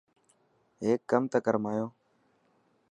هيڪ ڪم ته ڪر مايون.